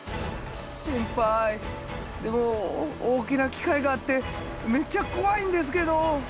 先輩でも大きな機械があってめっちゃ怖いんですけど。